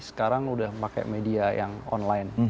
sekarang udah pakai media yang online